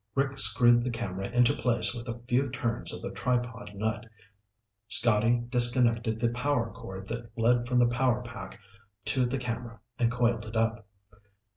Rick screwed the camera into place with a few turns of the tripod nut. Scotty disconnected the power cord that led from the power pack to the camera and coiled it up.